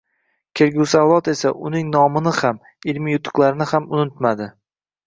Kelgusi avlodlar esa uning nomini ham, ilmiy yutuqlarini ham unutmadi